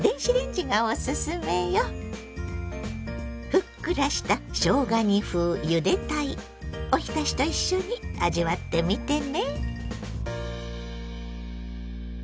ふっくらしたしょうが煮風ゆで鯛おひたしと一緒に味わってみてね。